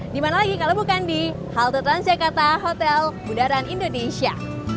dimana lagi kalau bukan di halte transjakarta hotel bundaran indonesia